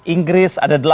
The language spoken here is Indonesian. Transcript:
inggris ada delapan